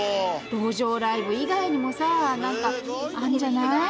路上ライブ以外にもさ何かあんじゃない？